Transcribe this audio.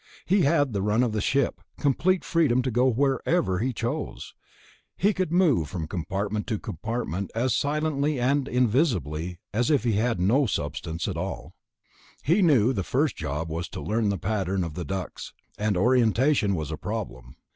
He had the run of the ship, complete freedom to go wherever he chose. He could move from compartment to compartment as silently and invisibly as if he had no substance at all. He knew the first job was to learn the pattern of the ducts, and orientation was a problem.